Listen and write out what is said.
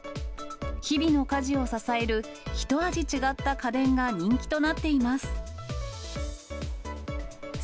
日々の家事を支えるひと味違った家電が人気となっています。